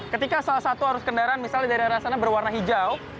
ketika salah satu arus kendaraan misalnya dari arah sana berwarna hijau